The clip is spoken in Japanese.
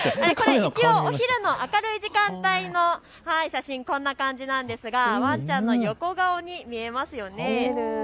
お昼の明るい時間帯の写真こんな感じなんですがワンちゃんの横顔に見えますよね。